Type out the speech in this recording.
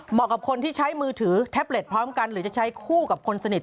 กับคนที่ใช้มือถือแท็บเล็ตพร้อมกันหรือจะใช้คู่กับคนสนิท